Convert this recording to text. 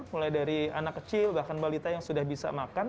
mulai dari anak kecil bahkan balita yang sudah bisa makan